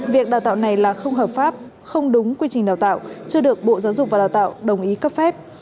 việc đào tạo này là không hợp pháp không đúng quy trình đào tạo chưa được bộ giáo dục và đào tạo đồng ý cấp phép